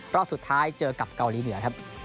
รอบสุดท้ายเจอกับเกาหลีเหนือครับ